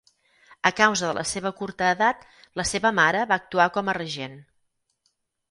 A causa de la seva curta edat, la seva mare va actuar com a regent.